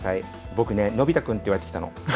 僕ね、のび太君って言われてきたの。